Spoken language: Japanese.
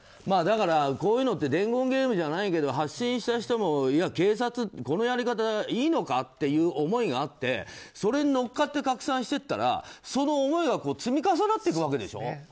だから、こういうのって伝言ゲームじゃないけど発信した人も、警察このやり方、いいのかという思いがあってそれに乗っかって拡散していったら、その思いが積み重なっていくわけでしょ。